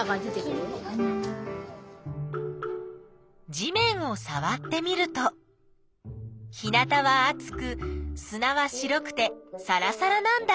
地面をさわってみると日なたはあつくすなは白くてさらさらなんだ。